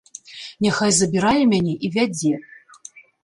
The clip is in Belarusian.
Няхай забірае мяне і вядзе.